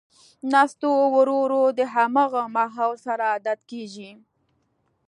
نستوه ورو ـ ورو د همغه ماحول سره عادت کېږي.